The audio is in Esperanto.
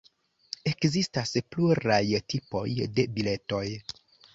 Ekzistas pluraj tipoj de biletoj.